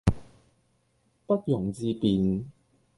不容置辯